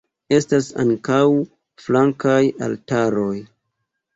Estas ankaŭ flankaj altaroj.